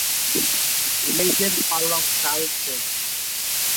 লেজের পালক কালচে।